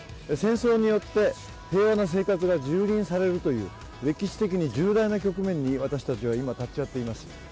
戦争によって平和な生活がじゅうりんされるという歴史的に重大な局面に私たちは今、立ち会っています。